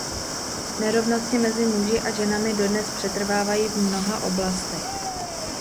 Nerovnosti mezi muži a ženami dodnes přetrvávají v mnoha oblastech.